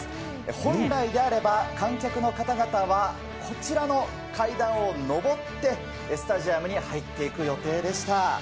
本来であれば、観客の方々は、こちらの階段を上って、スタジアムに入っていく予定でした。